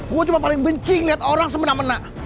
gue cuma paling bencing lihat orang semena mena